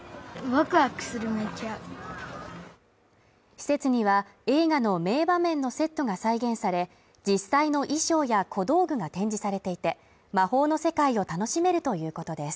施設には映画の名場面のセットが再現され、実際の衣装や小道具が展示されていて、魔法の世界を楽しめるということです。